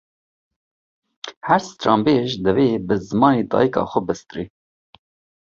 Her stranbêj, dê bi zimanê xwe yê dayikê bistirê